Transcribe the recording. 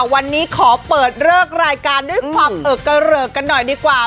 วันนี้ขอเปิดเลิกรายการด้วยความเอิกเกริกกันหน่อยดีกว่า